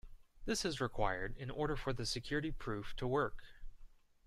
This is required in order for the security proof to work.